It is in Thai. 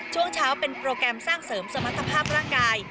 ช่วงเช้าเป็นโปรแกรมสร้างเสริมสมรรถภาพร่างกาย